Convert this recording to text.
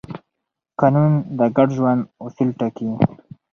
قانون د ګډ ژوند اصول ټاکي.